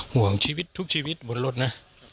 ห่วงชีวิตทุกชีวิตบนรถนะ